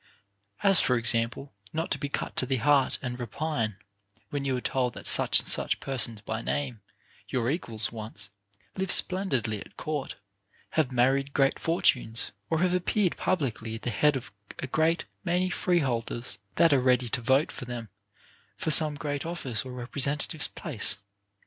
As, for example, not to be cut to the heart and repine, when you are told that such and such persons by name, your equals once, live splendidly at court, have married great fortunes, or have appeared publicly at the head of a great many freeholders, that are ready to vote for them for some great office or representative's place.